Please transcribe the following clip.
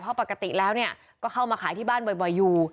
เพราะปกติแล้วก็เข้ามาขายที่บ้านบ่อยอยู่